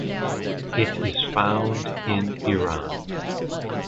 It is found in Iran.